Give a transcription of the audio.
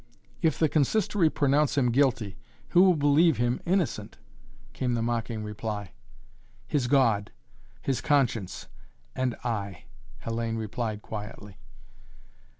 "If the Consistory pronounce him guilty, who will believe him innocent?" came the mocking reply. "His God his conscience and I," Hellayne replied quietly.